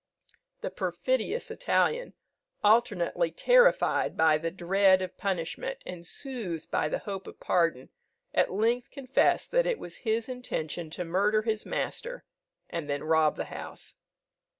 The perfidious Italian, alternately terrified by the dread of punishment and soothed by the hope of pardon, at length confessed that it was his intention to murder his master, and then rob the house.